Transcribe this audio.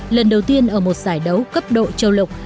lần đầu tiên ở một giải đấu cấp độ châu lục